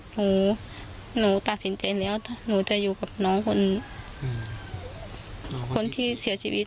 หนูหนูตัดสินใจแล้วหนูจะอยู่กับน้องคนคนที่เสียชีวิต